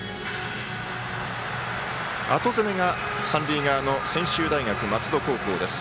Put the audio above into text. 後攻めが三塁側の専修大学松戸高校です。